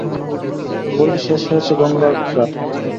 গলি শেষ হয়েছে গঙ্গার ঘাটে!